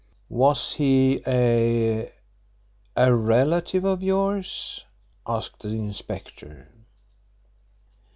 "Was he a a relative of yours?" asked the inspector.